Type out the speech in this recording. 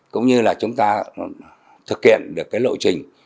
cũng như là chúng ta thực hiện được cái lộ trình